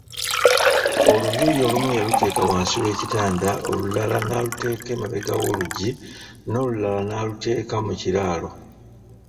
Oluviiri olumu yaluteeka wansi w'ekitanda, olulala n'aluteeka emabega w'oluggi, n'olulala n'aluteeka mu kiraalo.